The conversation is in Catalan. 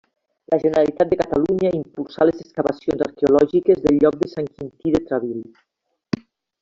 La Generalitat de Catalunya impulsà les excavacions arqueològiques del lloc de Sant Quintí de Travil.